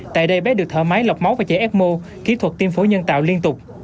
tại đây bé được thở máy lọc máu và chạy ecmo kỹ thuật tiêm phối nhân tạo liên tục